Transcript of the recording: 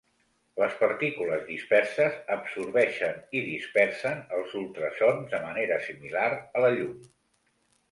Les partícules disperses absorbeixen i dispersen els ultrasons de manera similar a la llum.